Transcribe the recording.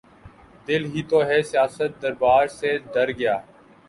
دل ہی تو ہے سیاست درباں سے ڈر گیا